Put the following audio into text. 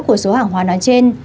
của số hàng hóa nói trên